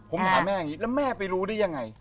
ผมหาแม่อย่างนี้แล้วแม่ไปรู้ได้ยังไง